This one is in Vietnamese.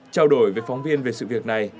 trao đổi với phóng viên về sự việc này